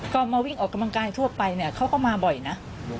ก็มาวิ่งออกกำลังกายทั่วไปเนี่ยเขาก็มาบ่อยนะ